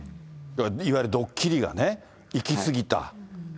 いわゆるドッキリがね、行き過ぎた。